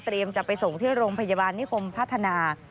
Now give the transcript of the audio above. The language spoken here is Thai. จะไปส่งที่โรงพยาบาลนิคมพัฒนา